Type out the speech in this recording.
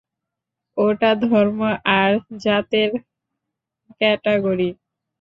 ওটা ধর্ম আর জাতের ক্যাটাগরি।